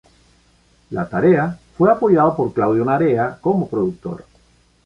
La tarea fue apoyada por Claudio Narea como productor.